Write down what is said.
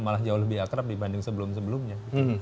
malah jauh lebih akrab dibanding sebelum sebelumnya